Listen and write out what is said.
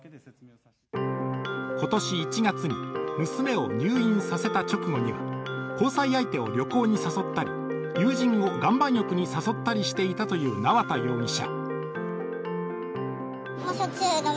今年１月に娘を入院させた直後には交際相手を旅行に誘ったり、友人を岩盤浴に誘ったりしていたという縄田容疑者。